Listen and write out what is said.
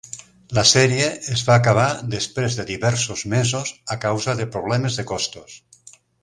La sèrie es va acabar després de diversos mesos a causa de problemes de costos.